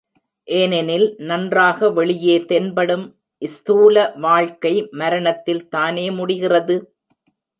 ஏனெனில், நன்றாக வெளியே தென்படும் ஸ்தூல வாழ்க்கை மரணத்தில் தானே முடிகிறது!